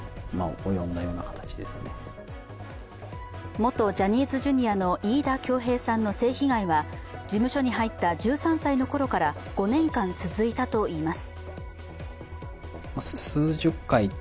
元ジャニーズＪｒ．の飯田恭平さんの性被害は事務所に入った１３歳のころから、５年間続いたといいます。